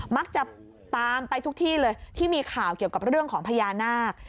มักจะตามไปทุกที่เลยที่มีข่าวเกี่ยวกับเรื่องของพญานาค